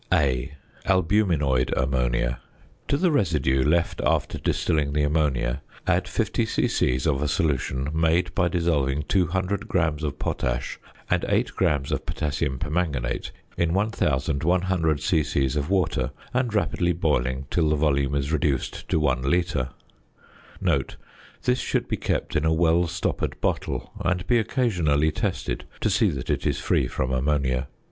A. Albuminoid Ammonia. To the residue left after distilling the ammonia add 50 c.c. of a solution made by dissolving 200 grams of potash and 8 grams of potassium permanganate in 1100 c.c. of water, and rapidly boiling till the volume is reduced to 1 litre (this should be kept in a well stoppered bottle, and be occasionally tested to see that it is free from ammonia).